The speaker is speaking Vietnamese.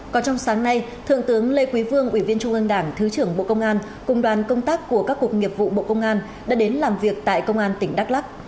còn trong sáng nay thượng tướng lê quý vương ủy viên trung ương đảng thứ trưởng bộ công an cùng đoàn công tác của các cuộc nghiệp vụ bộ công an đã đến làm việc tại công an tỉnh đắk lắc